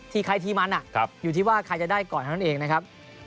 ใครที่มันอยู่ที่ว่าใครจะได้ก่อนเท่านั้นเองนะครับ